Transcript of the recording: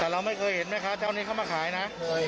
แต่เราไม่เคยเห็นแม่ค้าแถวนี้เข้ามาขายนะ